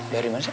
dari mana sih